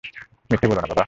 মিথ্যে বোলো না বাবা।